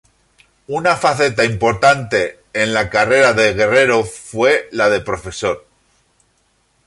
Una faceta importante en la carrera de Guerrero fue la de profesor.